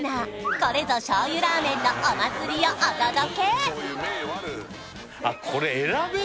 「これぞ醤油ラーメン」のお祭りをお届け！